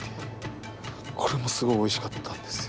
これもすごいおいしかったんですよ